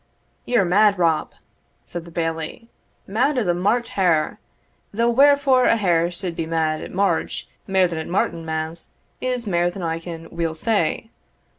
"Ye're mad, Rob," said the Bailie "mad as a March hare though wherefore a hare suld be mad at March mair than at Martinmas, is mair than I can weel say.